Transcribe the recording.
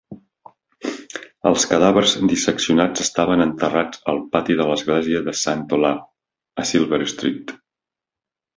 Els cadàvers disseccionats estaven enterrats al pati de l'església de Saint Olave, a Silver Street.